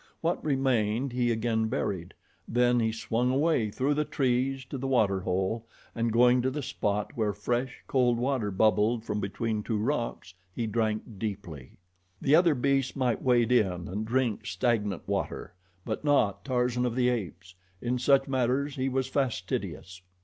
What remained he again buried; then he swung away through the trees to the water hole, and going to the spot where fresh, cold water bubbled from between two rocks, he drank deeply. The other beasts might wade in and drink stagnant water; but not Tarzan of the Apes. In such matters he was fastidious.